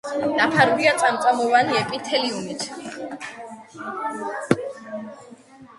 დაფარულია წამწამოვანი ეპითელიუმით.